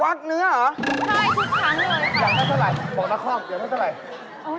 อยากให้เทลายบอกนักคล่องอยากให้เทลาย